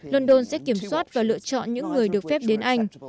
london sẽ kiểm soát và lựa chọn những người được phép đến anh